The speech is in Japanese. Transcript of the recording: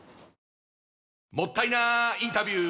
もったいなインタビュー！